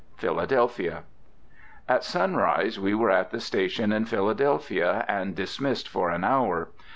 PHILADELPHIA. At sunrise we were at the station in Philadelphia, and dismissed for an hour.